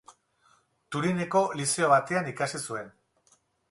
Turineko lizeo batean ikasi zuen.